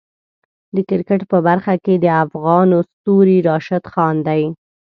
د کرکټ په برخه کې د افغانو ستوری راشد خان دی.